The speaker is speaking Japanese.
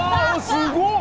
すごっ！